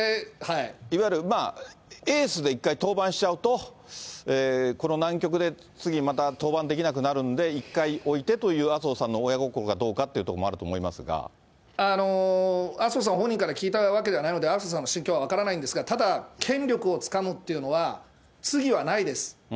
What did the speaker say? いわゆるエースで一回登板しちゃうと、この難局で、次、また登板できなくなるんで、一回置いてという麻生さんの親心かどうかっていうところもあると麻生さん本人から聞いたわけではないので、麻生さんの心境は分からないんですが、ただ、権力をつかむっていうのは、次はないです。